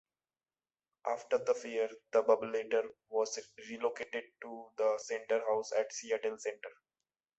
After the fair, the Bubbleator was relocated to the Center House at Seattle Center.